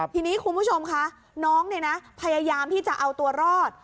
ทีนี้คุณผู้ชมคะน้องเนี่ยนะพยายามที่จะเอาตัวรอด